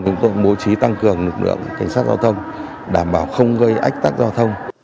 chúng tôi cũng bố trí tăng cường lực lượng cảnh sát giao thông đảm bảo không gây ách tắc giao thông